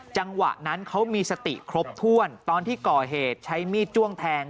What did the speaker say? จังหวะนั้นเขามีสติครบถ้วน